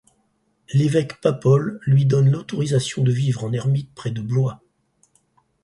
L'évêque Pappole lui donne l'autorisation de vivre en ermite près de Blois.